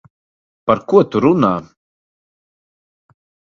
Par ko tu runā?